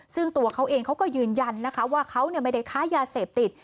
ซึ่งตัวเขาเองเขาก็ยืนยันนะคะว่าเขาไม่ได้ค้ายาเสพติด